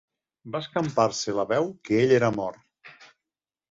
Va escampar-se la veu que ell era mort.